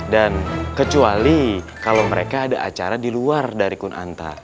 dan kecuali kalau mereka ada acara di luar dari kunanta